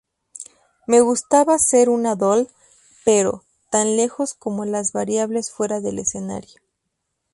Me gustaba ser una Doll, pero, tan lejos como las variables fuera del escenario.